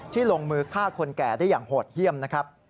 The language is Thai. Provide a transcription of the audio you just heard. ลงมือฆ่าคนแก่ได้อย่างโหดเยี่ยมนะครับ